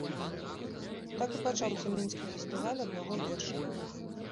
Так і пачаўся мінскі фестываль аднаго верша.